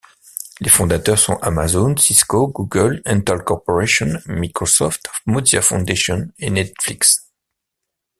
Les fondateurs sont Amazon, Cisco, Google, Intel Corporation, Microsoft, Mozilla Foundation, et Netflix.